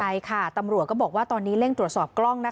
ใช่ค่ะตำรวจก็บอกว่าตอนนี้เร่งตรวจสอบกล้องนะคะ